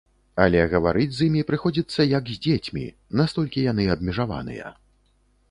Але гаварыць з імі прыходзіцца як з дзецьмі, настолькі яны абмежаваныя.